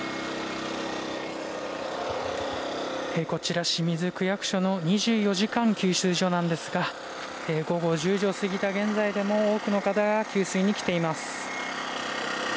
こちら、清水区役所の２４時間給水所なんですが午後１０時を過ぎた現在でも多くの方が給水に来ています。